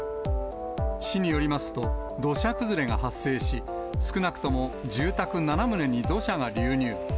市によりますと、土砂崩れが発生し、少なくとも住宅７棟に土砂が流入。